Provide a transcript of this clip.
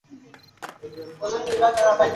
এ নিয়ে আমি তাঁর সঙ্গে কোনোদিন তর্ক করি নি।